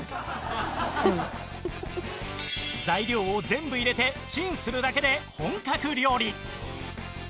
材料を全部入れてチンするだけで本格料理